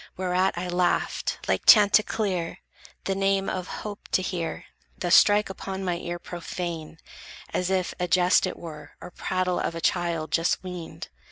Whereat I laughed Like chanticleer, the name of hope to hear Thus strike upon my ear profane, as if A jest it were, or prattle of a child Just weaned.